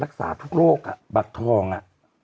เราก็มีความหวังอะ